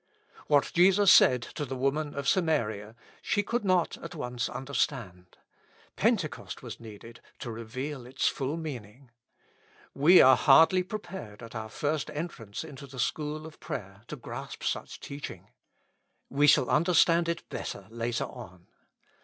What Jesus said to the woman of Samaria, she could not at once understand. Pentecost was needed to reveal its full meaning. We are hardly prepared 21 With Christ in the School of Prayer. at our first entrance into the school of prayer to grasp such teaching. We shall understand it better later on.